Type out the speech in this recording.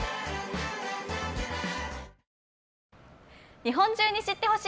日本中に知って欲しい！